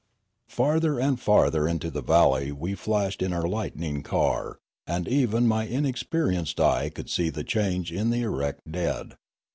Farther and farther into the valley we flashed in our lightning car, and even my inexperienced eye could see the change in the erect dead.